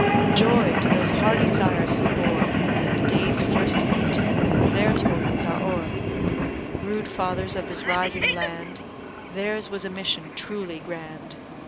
"Joy, to those hardy sires who bore The day's first heat their toils are o'er; Rude fathers of this rising land, Theirs was a mission truly grand.